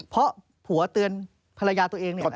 เพราะผัวเตือนภรรยาตัวเองเนี่ย